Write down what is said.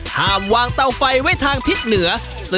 ห้ามวางเตาไฟไว้ทางทิศเหนือ